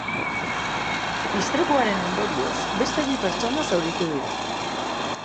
Istripuaren ondorioz, beste bi pertsona zauritu dira.